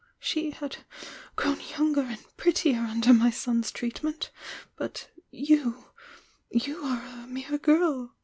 She had grown younger and prettier under my son's treatment— but you'— you are a mere girl!